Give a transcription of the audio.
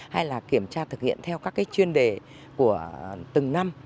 hay là kiểm tra thực hiện theo các chuyên đề của từng năm